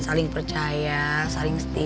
saling percaya saling setia